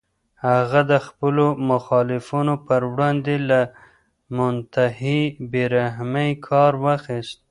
هغه د خپلو مخالفینو پر وړاندې له منتهی بې رحمۍ کار واخیست.